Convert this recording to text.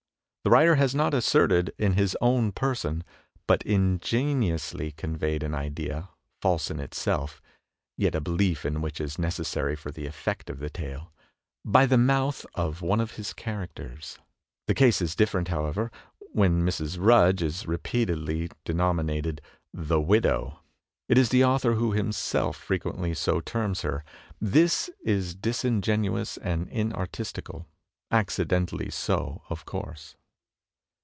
The writer has not asserted it in his own person, but ingeniously conveyed an idea (false in itself, yet a belief in which is necessary for the effect of the tale) by the mouth of one of his characters. The case is different, however, when Mrs. Rudge is repeatedly denominated "the widow." It is the author who, himself, frequently so terms her. This is disingenuous and inartistical; accidentally so, of course."